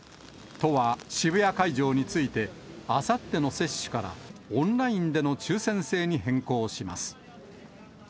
都は渋谷会場について、あさっての接種から、オンラインでの抽せん制に変更します。